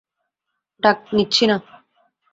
ডাক নিচ্ছি না।